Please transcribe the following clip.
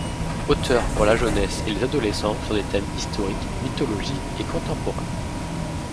Auteure pour la jeunesse et les adolescents sur des thèmes historiques, mythologiques et contemporains.